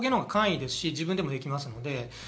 簡易ですし自分でもできるので。